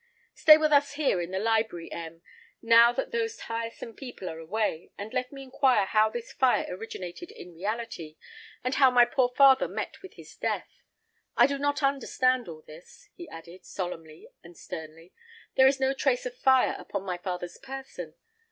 Stay with us here in the library, M , now that those tiresome people are away, and let me inquire how this fire originated in reality, and how my poor father met with his death. I do not understand all this," he added, solemnly and sternly. "There is no trace of fire upon my father's person.